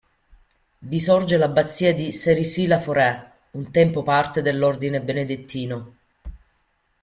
Vi sorge l'abbazia di Cerisy-la-Forêt, un tempo parte dell'ordine benedettino.